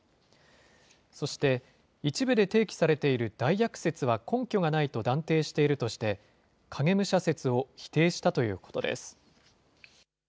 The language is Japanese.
そして一部で提起されている代役説は根拠がないと断定しているとして、影武者説を否定したということです。